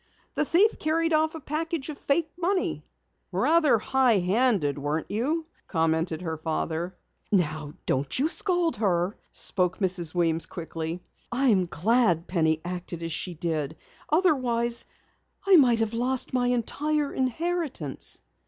The thief carried off a package of fake money." "Rather high handed weren't you?" commented her father. "Now don't you scold her," spoke Mrs. Weems quickly. "I am glad Penny acted as she did. Otherwise, I might have lost my entire inheritance."